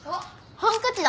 ハンカチだ。